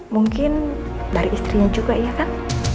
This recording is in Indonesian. mungkin dari istrinya juga ya kan